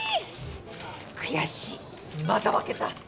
悔しいまた負けた。